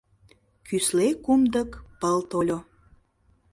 Кӱсле кумдык пыл тольо.